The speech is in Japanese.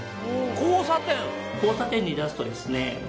交差点に出すとですね